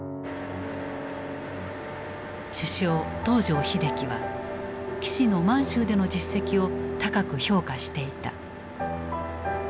首相東條英機は岸の満州での実績を高く評価していた。